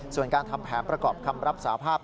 ส่วนการทำแผนประกอบคำรับสาภาพ